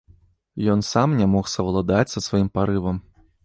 Ён сам не мог саўладаць са сваім парывам.